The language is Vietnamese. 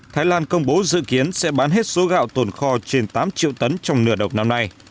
thái lan công bố dự kiến sẽ bán hết số gạo tồn kho trên tám triệu tấn trong nửa đầu năm nay